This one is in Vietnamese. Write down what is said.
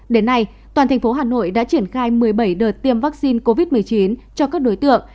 đến nay toàn thành phố hà nội đã triển khai một mươi bảy đợt tiêm vaccine covid một mươi chín cho các đối tượng